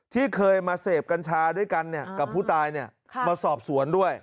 ที่เคยมาเสพกัญชาด้วยกันกับผู้ตายมาสอบสวนด้วย